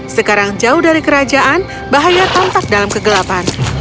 sekarang jauh dari kerajaan bahaya tampak dalam kegelapan